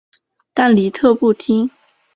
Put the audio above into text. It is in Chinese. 但李特不听。